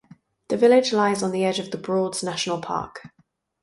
The village lies on the edge of The Broads National Park.